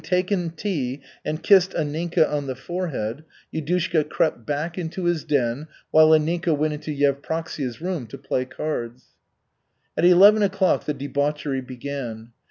Having taken tea and kissed Anninka on the forehead, Yudushka crept back into his den, while Anninka went into Yevpraksia's room to play cards. At eleven o'clock the debauchery began.